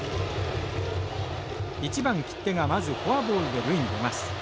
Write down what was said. １番切手がまずフォアボールで塁に出ます。